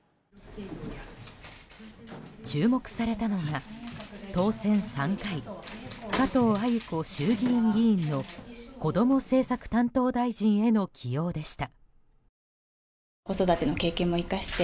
注目されたのが、当選３回加藤鮎子衆議院議員のこども政策担当大臣への起用でした。